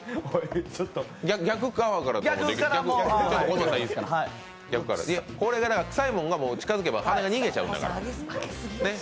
逆側からもくさいものが近づけば鼻が逃げちゃうんだから。